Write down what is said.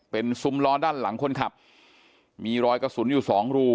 เป็นซุ้มล้อด้านหลังคนขับมีรอยกระสุนอยู่สองรู